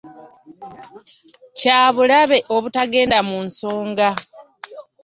Kyabulabe obutagenda mu nsonga.